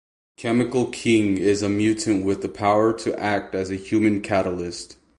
Chemical King is a mutant with the power to act as a human catalyst.